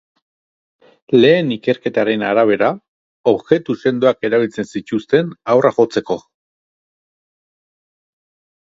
Lehen ikerketaren arabera, objektu sendoak erabili zituzten haurra jotzeko.